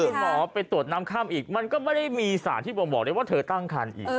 แล้วพี่หมอไปตรวจน้ำค่ำอีกมันก็ไม่ได้มีสารที่บอกเลยว่าเธอตั้งคันอีก